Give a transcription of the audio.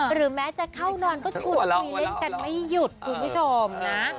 หรือแม้จะเข้านอนก็คุยเล่นกันไม่หยุดคุณผู้ชมนะ